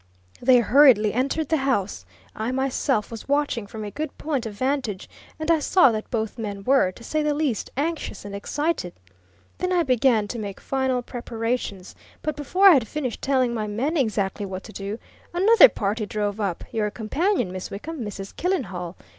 They hurriedly entered the house I myself was watching from a good point of vantage, and I saw that both men were, to say the least, anxious and excited. Then I began to make final preparations. But before I'd finished telling my men exactly what to do, another party drove up your companion, Miss Wickham, Mrs. Killenhall.